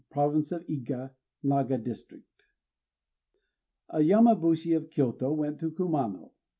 Province of Iga Naga district) A Yamabushi of Kyôto went to Kumano.